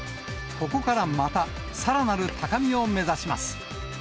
ここからまた、さらなる高みを目指します。